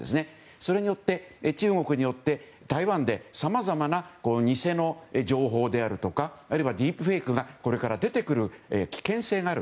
それによって、中国によって台湾でさまざまな偽の情報であるとかあるいはディープフェイクがこれから出てくる危険性がある。